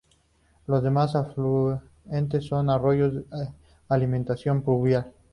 Los demás afluentes son arroyos de alimentación pluvial.